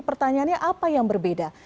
pertanyaannya apa yang berbeda